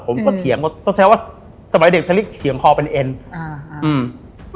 ผมก็เฉียงต้นแชลว่าสมัยเด็กทะลิกเฉียงคอเป็นเอ็นอืม